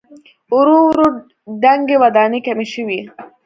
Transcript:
ورو ورو دنګې ودانۍ کمې شوې.